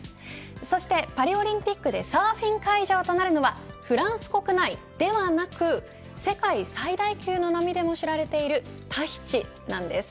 そしてパリオリンピックでサーフィン会場となるのはフランス国内ではなく世界最大級の波でも知られているタヒチなんです。